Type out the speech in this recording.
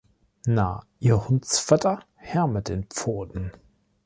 Na, ihr Hundsfötter, her mit den Pfoten.